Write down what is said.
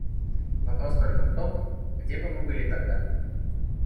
Вопрос только в том, где бы мы были тогда.